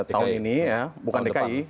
tahun ini ya bukan dki